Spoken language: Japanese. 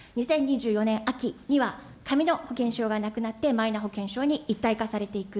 ２０２４年秋には紙の保険証がなくなって、マイナ保険証に一体化されていく。